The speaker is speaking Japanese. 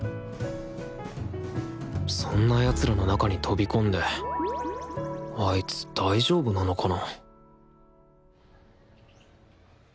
そんな奴らの中に飛び込んであいつ大丈夫なのかな？